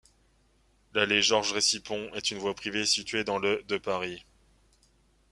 L'allée Georges-Recipon est une voie privée située dans le de Paris.